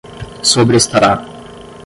sobrestará